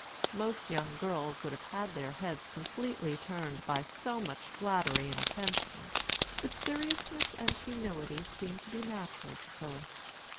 Most young girls would have had their heads completely turned by so much flattery and attention; but seriousness and humility seemed to be natural to Phillis.